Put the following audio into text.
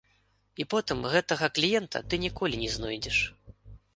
І потым гэтага кліента ты ніколі не знойдзеш.